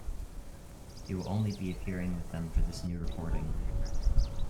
He will only be appearing with them for this new recording.